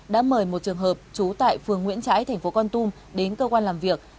đã mời một trường hợp trú tại phường nguyễn trãi thành phố con tum đến cơ quan làm việc